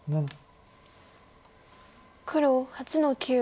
黒８の九。